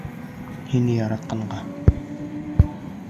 Һине яратҡанға.